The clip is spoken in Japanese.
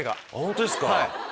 本当ですか！